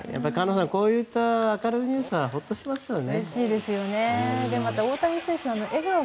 こういった明るいニュースはほっとしますよね。